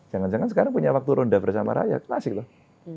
jangan jangan sekarang punya waktu runda bersama rakyat klasik loh